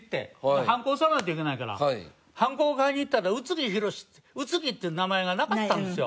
でハンコ押さなきゃいけないからハンコを買いにいったら宇津木宏宇津木って名前がなかったんですよ。